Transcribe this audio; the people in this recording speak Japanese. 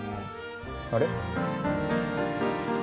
あれ？